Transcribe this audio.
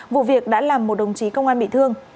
vụ việc đã làm một đồng chí công an bị thương